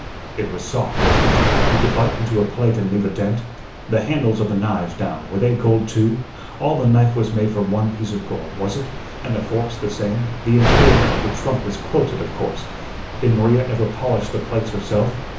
It was soft, wasn't it? You could bite into a plate and leave a dent? The handles of the knives, now, were they gold, too? All the knife was made from one piece of gold, was it? And the forks the same? The interior of the trunk was quilted, of course? Did Maria ever polish the plates herself?